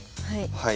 はい。